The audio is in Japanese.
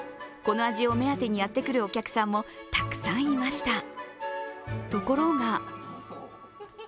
この味を目当てにやってくるお客さんもたくさんいました。